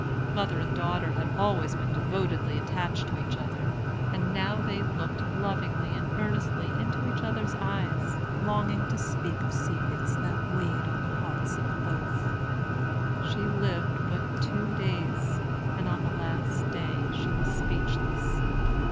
Mother and daughter had always been devotedly attached to each other; and now they looked lovingly and earnestly into each other's eyes, longing to speak of secrets that weighed on the hearts of both. She lived but two days, and on the last day she was speechless.